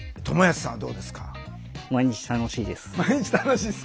毎日楽しいです。